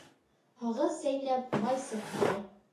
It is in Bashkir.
Һағыҙ сәйнәп, май сыҡмай.